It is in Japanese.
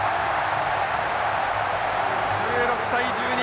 １６対１２。